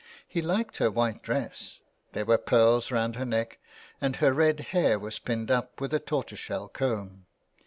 He Hked her white dress, there were pearls round her neck, and her red hair was pinned up with a tortoiseshell comb.